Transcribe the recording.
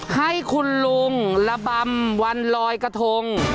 ให้คุณลุงระบำวันลอยกระทง